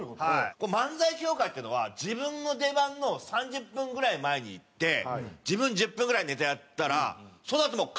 漫才協会っていうのは自分の出番の３０分ぐらい前に行って自分１０分ぐらいネタやったらそのあと帰れるんですよね。